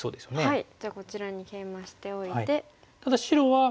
はい。